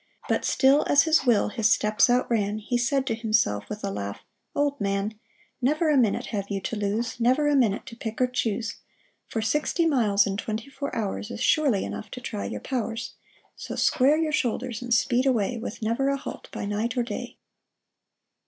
But still, as his will his steps outran. He said to himself, with a laugh, *' Old man, Never a minute have you to lose, Never a minute to pick or choose ; For sixty miles in twenty four hours Is surely enough to try your powers. So square your shoulders and speed away With never a halt by night or day."